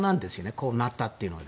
こうなったというのは。